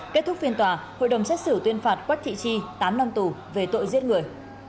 kết thúc phiên tòa hội đồng xét xử tuyên phạt quách thị tri tám năm tù về tội giết người